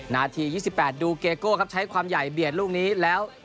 นาทียี่สิบแปดดูเกโกทิตไหลท์ครับใช้ความใหญ่เบียดลูกนี้แล้ว